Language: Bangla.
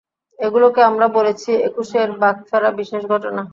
এগুলোকে আমরা বলেছি একুশের বাঁক ফেরা বিশেষ ঘটনা।